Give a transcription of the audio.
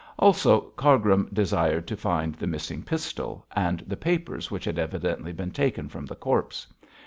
Also Cargrim desired to find the missing pistol, and the papers which had evidently been taken from the corpse.